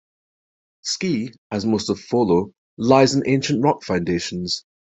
Ski, as most of Follo, lies on ancient rock foundations.